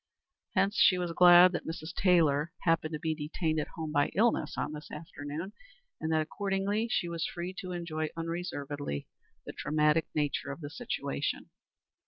Hence, she was glad that Mrs. Taylor happened to be detained at home by illness on this afternoon, and that, accordingly, she was free to enjoy unreservedly the dramatic nature of the situation.